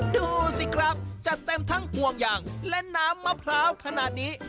ดูสิครับจัดเต็มทั้งห่วงยางและน้ำมะพร้าวขนาดนี้